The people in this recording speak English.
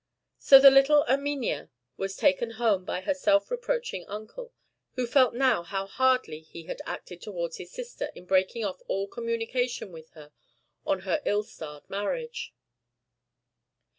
So the little Erminia was taken home by her self reproaching uncle, who felt now how hardly he had acted towards his sister in breaking off all communication with her on her ill starred marriage.